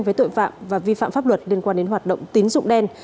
với tội phạm và vi phạm pháp luật liên quan đến hoạt động tín dụng đen